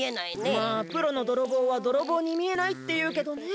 まあプロのどろぼうはどろぼうにみえないっていうけどね。